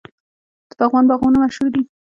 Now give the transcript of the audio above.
د پغمان باغونه مشهور دي.